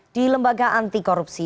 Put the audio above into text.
di lembaga anti korupsi